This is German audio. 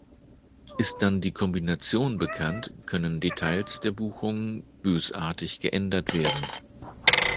Ist dann die Kombination bekannt, können Details der Buchung bösartig geändert werden.